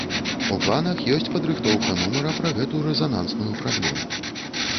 У планах ёсць падрыхтоўка нумара пра гэту рэзанансную праблему.